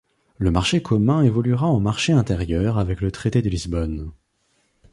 Le marché commun évoluera en marché intérieur avec le traité de Lisbonne.